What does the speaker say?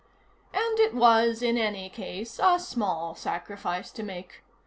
And it was, in any case, a small sacrifice to make.